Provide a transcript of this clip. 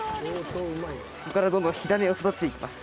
ここからどんどん火種を育てて行きます。